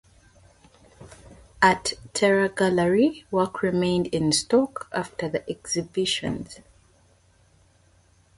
At Terra Gallery work remained in stock after the exhibitions.